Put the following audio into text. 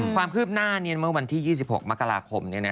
ความคืบหน้าเมื่อวันที่๒๖มกราคม